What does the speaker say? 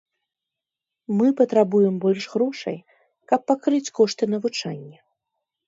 Мы патрабуем больш грошай, каб пакрыць кошты навучання.